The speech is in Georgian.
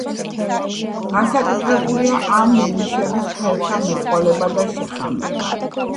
განსაკუთრებულია ამ ნიმუშების ფერთა მეტყველება და შეხამება.